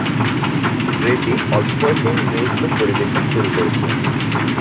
রেড্ডি অল্প বয়সেই নৃত্য পরিবেশন শুরু করেছিলেন।